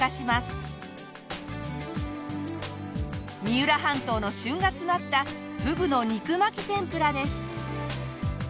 三浦半島の旬が詰まったフグの肉巻き天ぷらです。